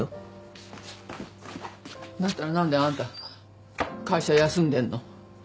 だったら何であなた会社休んでんの？